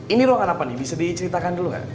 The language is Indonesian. ini ruangan apa nih bisa diceritakan dulu nggak